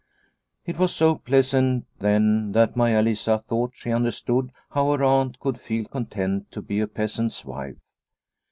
It was so pleasant then that Maia Lisa thought she understood how her aunt could feel con tent to be a peasant's wife.